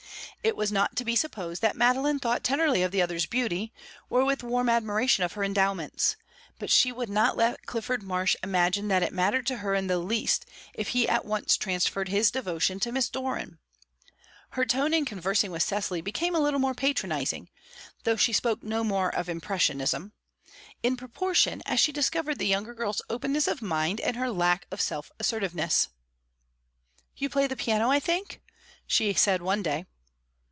It was not to be supposed that Madeline thought tenderly of the other's beauty, or with warm admiration of her endowments; but she would not let Clifford Marsh imagine that it mattered to her in the least if he at once transferred his devotion to Miss Doran. Her tone in conversing with Cecily became a little more patronizing, though she spoke no more of impressionism, in proportion as she discovered the younger girl's openness of mind and her lack of self assertiveness. "You play the piano, I think?" she said one day.